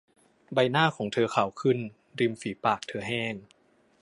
ใบหน้าของเธอขาวขึ้น ริมฝีปากเธอแห้ง